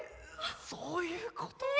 そういうこと。